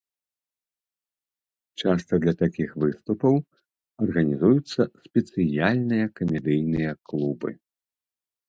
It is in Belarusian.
Часта для такіх выступаў арганізуюцца спецыяльныя камедыйныя клубы.